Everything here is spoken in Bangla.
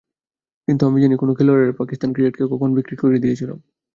কিন্তু আমি জানি, কোন খেলোয়াড়েরা পাকিস্তান ক্রিকেটকে কখন বিক্রি করে দিয়েছিল।